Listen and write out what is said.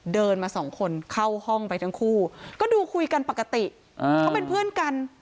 เดินมาสองคนเข้าห้องไปทั้งคู่ก็ดูคุยกันปกติเขาเป็นเพื่อนกัน